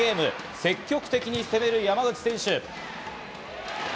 積極的に攻める山口選手。